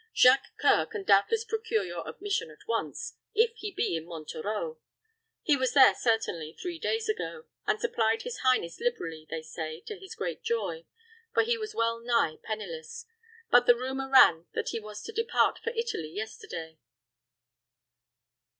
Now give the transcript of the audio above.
Jacques C[oe]ur can doubtless procure your admission at once, if he be in Monterreau. He was there, certainly, three days ago, and supplied his highness liberally, they say, to his great joy; for he was well nigh penniless. But the rumor ran that he was to depart for Italy yesterday."